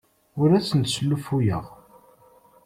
Ur asent-sslufuyeɣ.